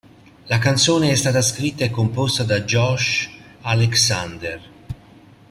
La canzone è stata scritta e composta da Josh Alexander.